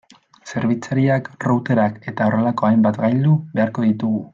Zerbitzariak, routerrak eta horrelako hainbat gailu beharko ditugu.